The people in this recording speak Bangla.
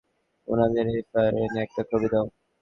উনাদের এফআইআর-এর একটা কপি দাও।